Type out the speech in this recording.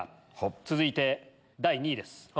続いて第２位です。